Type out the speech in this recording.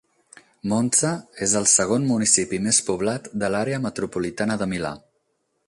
Monza és el segon municipi més poblat de l'àrea metropolitana de Milà.